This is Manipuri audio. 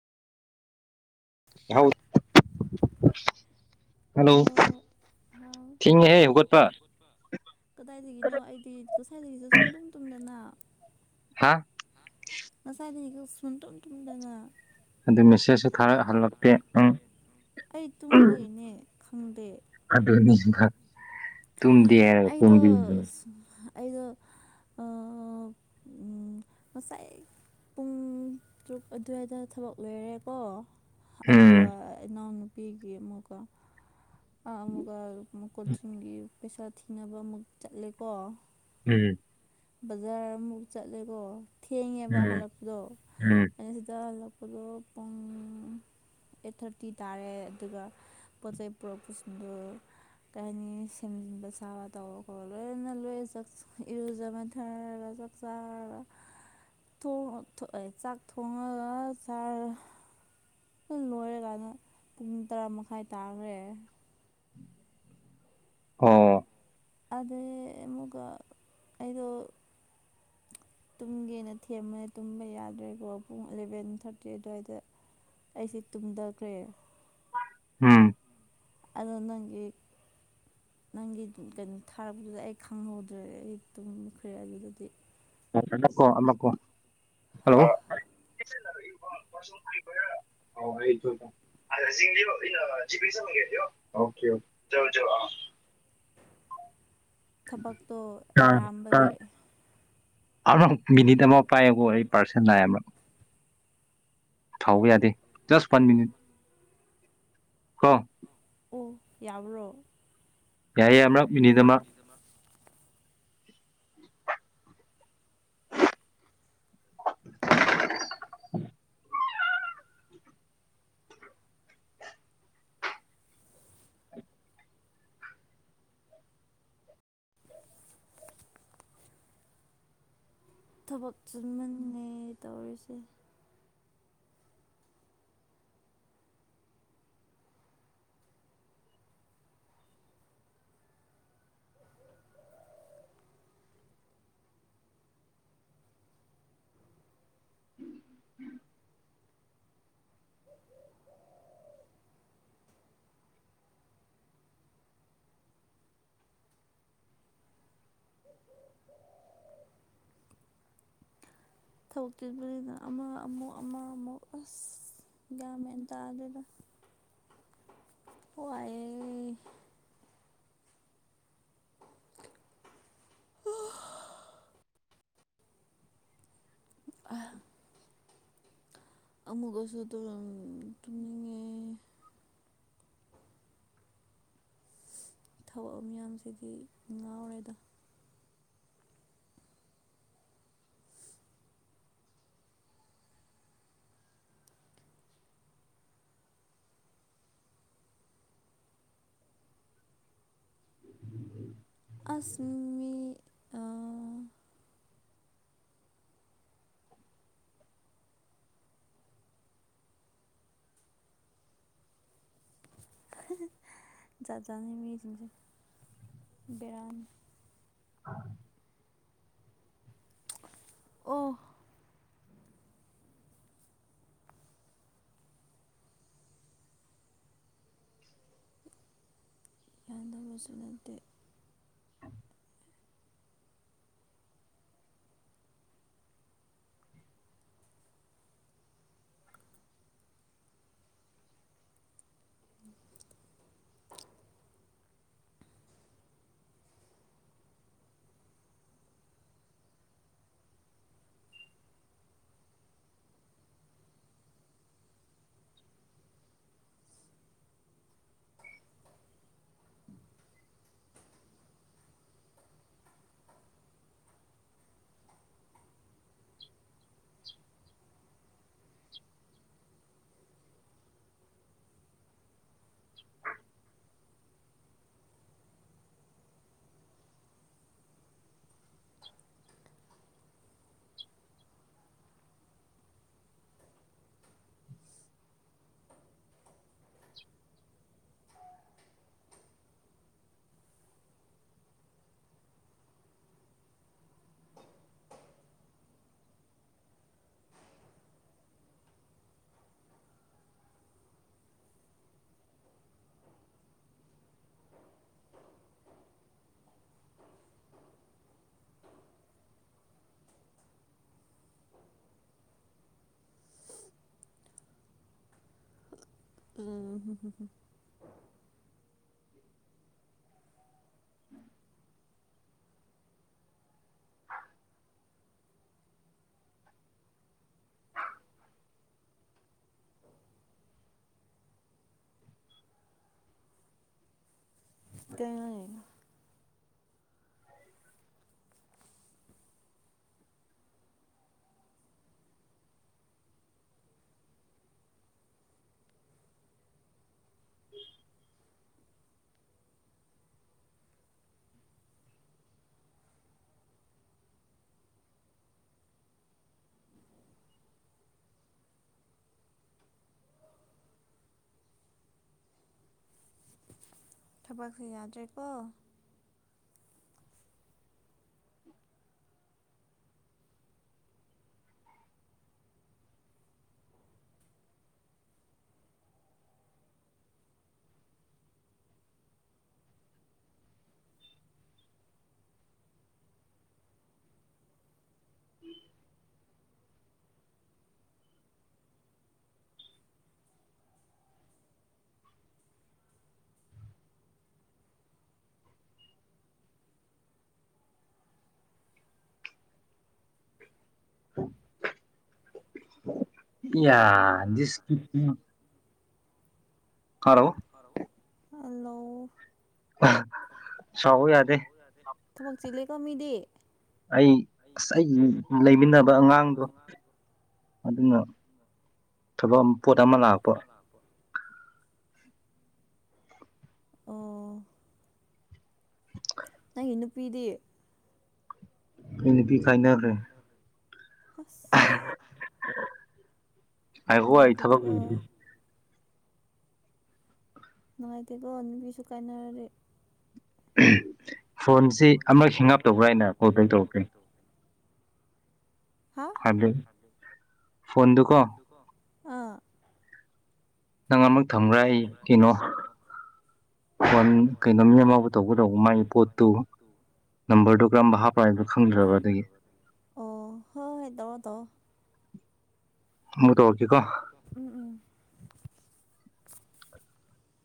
ꯍꯜ [unintelligible] ꯑꯧ ꯍꯥꯎ ꯏꯪꯉꯤꯍꯦ ꯍꯧꯒꯠꯄ ꯀꯗꯥꯏꯗꯒꯤꯅꯣ ꯑꯩꯗꯤ ꯉꯁꯥꯏꯗꯒꯤꯁꯨ ꯁꯨꯡꯗꯨꯝ ꯇꯨꯝꯗꯅ ꯍꯥ ꯉꯁꯥꯏꯗꯒꯤ ꯁꯨꯟꯇꯨꯝ ꯇꯨꯝꯗꯅ ꯑꯗꯨ ꯃꯦꯁꯦꯖꯁꯨ ꯃꯦꯁꯦꯁꯁꯨ ꯊꯥꯔꯒ ꯊꯥꯔꯛꯍꯜꯂꯛꯇꯦ ꯎꯝ ꯍꯜꯂꯛꯇꯦ ꯑꯩ ꯇꯨꯝꯕꯒꯤꯅꯦ ꯈꯪꯗꯦ ꯑꯗꯨꯅꯤꯁꯤꯅ ꯇꯨꯝꯗꯦ ꯍꯥꯏꯔ ꯑꯩꯗꯣ ꯇꯨꯝꯕꯤꯗ [unintelligible] ꯑꯩꯗꯣ ꯑꯥ ꯎꯝ ꯉꯁꯥꯏ ꯄꯨꯡ ꯇꯔꯨꯛ ꯑꯗꯨꯋꯥꯏꯗ ꯊꯕꯛ ꯂꯣꯏꯔꯦꯀꯣ ꯎꯝ ꯑꯗꯨꯒ ꯏꯅꯥꯎꯅꯨꯄꯤꯒꯤ ꯑꯃꯨꯛꯀ ꯑꯥ ꯑꯃꯨꯛꯀ ꯃꯀꯣꯆꯤꯡꯒꯤ ꯄꯩꯁꯥ ꯊꯤꯅꯕ ꯑꯃꯨꯛ ꯆꯠꯂꯦꯀꯣ ꯎꯝ ꯕꯖꯥꯔ ꯑꯃꯨꯛ ꯆꯠꯂꯦꯀꯣ ꯊꯦꯡꯉꯦꯕ ꯎꯝ ꯍꯜꯂꯛꯄꯗꯣ ꯎꯝ ꯑꯩꯅ ꯁꯤꯗ ꯍꯂꯛ ꯄꯥꯗꯣ ꯄꯨꯡ ꯑꯩꯠ ꯊꯥꯔꯇꯤ ꯇꯥꯔꯦ ꯑꯗꯨꯒ ꯄꯣꯠ ꯆꯩꯩ ꯄꯨꯔꯛꯄꯁꯤꯡꯗꯨ ꯀꯩ ꯍꯥꯏꯅꯤ ꯁꯦꯝꯖꯤꯟꯕ ꯁꯥ ꯇꯧꯕ ꯈꯣꯠꯂ ꯂꯣꯏꯅ ꯂꯣꯏꯔ [unintelligible] ꯏꯔꯨ ꯖ ꯃꯥꯏꯊꯥꯔꯒ ꯆꯥꯛ ꯆꯥꯔꯒ ꯊꯣꯡꯉꯣ ꯊꯣ ꯑꯦ ꯆꯥꯛ ꯊꯣꯡꯉꯒ ꯆꯥꯔ ꯄꯨꯡ ꯂꯣꯏꯔꯒꯥꯅ ꯄꯨꯡ ꯇꯔꯥ ꯃꯈꯥꯏ ꯇꯥꯈ꯭ꯔꯦ ꯑꯣ ꯑꯗꯩ ꯑꯃꯨꯛꯀ ꯑꯩꯗꯣ ꯇꯨꯝꯒꯦꯅ ꯊꯦꯝꯕ ꯇꯨꯝꯕ ꯌꯥꯗ꯭ꯔꯦꯀꯣ ꯄꯨꯡ ꯑꯦꯂꯕꯦꯟ ꯊꯥꯔꯇꯤ ꯑꯗꯨꯋꯥꯏꯗ ꯑꯩꯁꯦ ꯇꯨꯝꯗꯒ꯭ꯔꯦ ꯎꯝ ꯑꯗꯣ ꯅꯪꯒꯤ ꯅꯪꯒꯤ ꯀꯩꯅꯣ ꯊꯥꯔꯛꯄꯗꯨꯗ ꯑꯩ ꯈꯪꯍꯧꯗ꯭ꯔꯦ ꯑꯩ ꯇꯨꯝꯈ꯭ꯔꯦ ꯑꯗꯨꯗꯗꯤ [unintelligible] ꯀꯣ ꯑꯃ ꯀꯣ ꯍꯜꯂꯣ [unintelligible] [unintelligible] [unintelligible] ꯑꯣꯀꯦ [unintelligible] ꯊꯕꯛꯇꯣ ꯌꯥꯝꯕꯒꯤ ꯑꯔꯃꯛ ꯃꯤꯅꯤꯠ ꯑꯃ ꯄꯥꯏꯌꯣꯀꯣ ꯑꯩ ꯄꯔꯁꯟ ꯂꯥꯑꯦꯕꯥ ꯊꯥꯎꯕ ꯌꯥꯗꯦ ꯖꯁ ꯋꯥꯟ ꯃꯤꯅꯤꯠ ꯀꯣ ꯑꯣ ꯌꯥꯕ꯭ꯔꯣ? ꯌꯥꯏꯌꯦ ꯑꯃꯔꯛ ꯃꯤꯅꯤꯠ ꯑꯃ [unintelligible] [inaudible] ꯊꯕꯛ ꯆꯤꯟꯃꯟꯅꯦ ꯇꯧꯔꯤꯁꯦ ꯊꯕꯛ ꯆꯤꯟꯕꯅꯤꯅ ꯑꯃ ꯑꯃꯨꯛ ꯑꯃ ꯑꯃꯨꯛ ꯑꯁ ꯒꯌ꯭ꯥꯟ ꯃꯦꯟ ꯇꯥꯗꯦꯗꯥ꯫ ꯋꯥꯌꯦ ꯑꯃꯨꯛꯀꯁꯨ ꯇꯨꯔꯨꯝ ꯇꯨꯝꯅꯤꯡꯉꯦ ꯊꯕꯛ ꯃꯌꯥꯝꯁꯤꯗꯤ ꯉꯥꯎꯔꯦꯗ ꯑꯁ ꯃꯤ ꯑꯥ ꯖꯥꯠ ꯖꯥꯠꯅꯤ ꯃꯤꯁꯤꯡꯁꯦ ꯕꯦꯔꯥꯅꯦ [inaudible] ꯑꯣ ꯌꯥꯗꯕꯁꯨ ꯅꯠꯇꯦ [inaudible] [inaudible] [inaudible] [inaudible] [inaudible] [inaudible] ꯀꯩꯅꯣꯅꯦ ꯊꯕꯛꯁꯨ ꯌꯥꯗ꯭ꯔꯦꯀꯣ [inaudible] [inaudible] ꯄꯤꯌꯥ ꯗꯤꯁꯇꯤꯛꯇꯤꯡ ꯈꯔꯥꯎ ꯍꯜꯂꯣꯎ ꯁꯥꯎꯕ ꯌꯥꯗꯦ ꯊꯕꯛ ꯆꯤꯂꯦ ꯀꯣ ꯃꯤꯗꯤ ꯑꯩ ꯑꯁ ꯑꯩ ꯂꯩꯃꯤꯟꯅꯕ ꯑꯉꯥꯡꯗꯣ ꯑꯗꯨꯅ ꯊꯕꯝ ꯕꯥꯝ ꯄꯣꯠ ꯑꯃ ꯂꯥꯛꯄ ꯑꯣ [inaudible] ꯅꯪꯒꯤ ꯅꯨꯄꯤꯗꯤ ꯏꯅꯤꯄꯤ ꯀꯥꯏꯅꯈꯔ꯭ꯦ ꯑꯁ ꯑꯩꯈꯨꯋꯥꯏ ꯊꯕꯛ ꯅꯨꯡꯉꯥꯏꯇꯦꯗꯀꯣ ꯂꯣꯏꯈꯤꯒꯦ ꯅꯨꯡꯉꯥꯏꯇꯦꯀꯣ ꯅꯨꯄꯤꯁꯨ ꯀꯥꯏꯅꯔꯗꯤ ꯐꯣꯟꯁꯤ ꯑꯃꯛ ꯍꯤꯡꯉꯞꯇꯧꯕ꯭ꯔꯥ ꯅ ꯀꯣꯜ ꯇꯦꯛ ꯇꯧꯔꯛꯄꯥꯀꯦ ꯍꯥ ꯍꯥꯏꯞꯗꯦ ꯐꯣꯟꯗꯨꯀꯣ ꯑꯥ ꯅꯪꯥ ꯑꯝꯔꯛ ꯊꯕ꯭ꯔꯥ ꯑꯩ ꯀꯩꯅꯣ ꯐꯣꯟ ꯀꯩꯅꯣ ꯃꯤ ꯑꯃꯕꯨ ꯇꯧꯕꯒꯗꯧꯕ ꯃꯥꯒꯤ ꯄꯣꯠꯇꯨ ꯅꯝꯕꯔꯗꯣ ꯀꯔꯝꯕ ꯍꯥꯞꯄ꯭ꯔꯥ ꯍꯥꯏꯕꯗꯨ ꯈꯪꯗ꯭ꯔꯕ ꯑꯗꯨꯒꯤ ꯑꯣ ꯍꯣꯏ ꯍꯣꯏ ꯇꯎꯔꯣ ꯇꯥꯎꯑꯣ ꯃꯨꯛ ꯇꯧꯔꯥꯛ ꯀꯦꯀꯣ ꯎꯝ ꯎꯝ